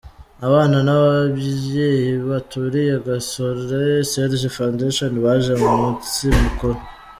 Abana n'abayeyi baturiye Gasore Serge Foundation baje mu munsi mukuru.